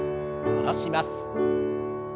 下ろします。